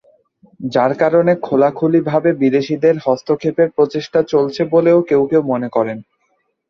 যার কারণে খোলাখুলিভাবে বিদেশিদের হস্তক্ষেপের প্রচেষ্টা চলছে বলেও কেউ কেউ মনে করেন।